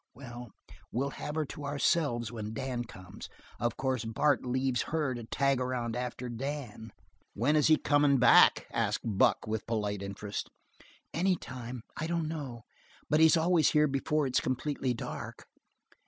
"Well, we'll have her to ourselves when Dan comes; of course Bart leaves her to tag around after Dan." "When is he comin' back?" asked Buck, with polite interest. "Anytime. I don't know. But he's always here before it's completely dark."